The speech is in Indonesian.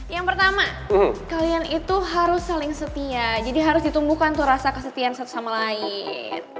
yang pertama kalian itu harus saling setia jadi harus ditumbuhkan tuh rasa kesetian satu sama lain